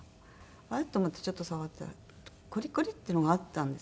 あれ？と思ってちょっと触ったらコリコリっていうのがあったんですよね。